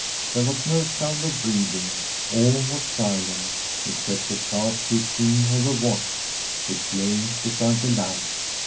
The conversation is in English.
There was no sound of breathing; all was silent, except the sharp ticking of a watch, which lay beside the lamp.